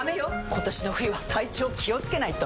今年の冬は体調気をつけないと！